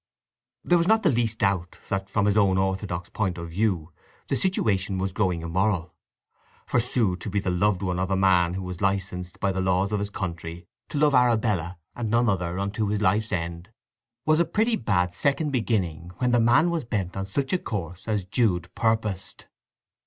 There was not the least doubt that from his own orthodox point of view the situation was growing immoral. For Sue to be the loved one of a man who was licensed by the laws of his country to love Arabella and none other unto his life's end, was a pretty bad second beginning when the man was bent on such a course as Jude purposed.